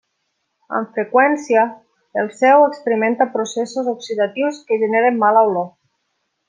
Amb freqüència, el sèu experimenta processos oxidatius que generen mala olor.